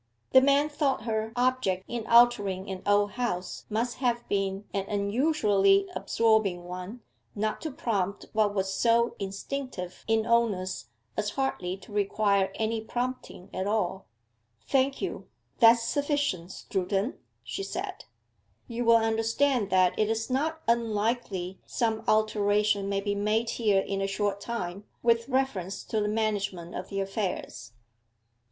The man thought her object in altering an old house must have been an unusually absorbing one not to prompt what was so instinctive in owners as hardly to require any prompting at all. 'Thank you: that's sufficient, Strooden,' she said. 'You will understand that it is not unlikely some alteration may be made here in a short time, with reference to the management of the affairs.